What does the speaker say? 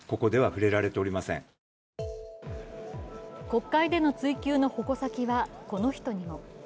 国会での追及の矛先はこの人にも。